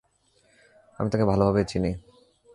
আমি তাকে ভালভাবেই চিনি।